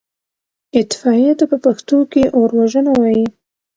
اطفائيې ته په پښتو کې اوروژنه وايي.